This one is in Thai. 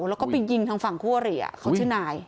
แล้วก็ไปยิงทางฝั่งคู่อริเขาชื่อนาย